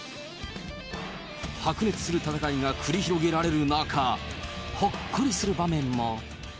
白熱する戦いが繰り広げられる中、ほっこりする場面も。